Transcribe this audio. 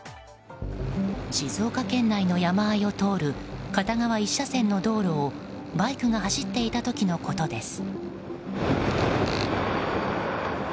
静岡県内の山あいを通る片側１車線の道路をバイクが走っていた時のことです。